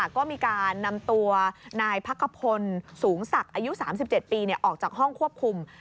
ก็มีการนำตัวนายพักขพลสูงศักดิ์อายุ๓๗ปีออกจากห้องควบคุม